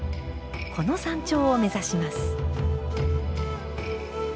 この山頂を目指します。